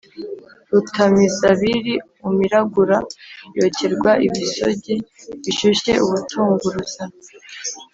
Rutamizabiri umiragura yokerwa ibisogi bishyushye ubutunguruza